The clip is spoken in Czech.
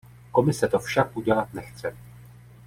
Komise to však udělat nechce.